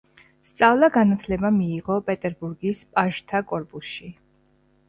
სწავლა-განათლება მიიღო პეტერბურგის პაჟთა კორპუსში.